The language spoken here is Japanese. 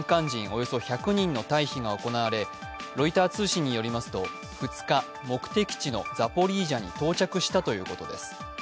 およそ１００人の退避が行われロイター通信によりますと、２日、目的地のザポリージャに到着したということです。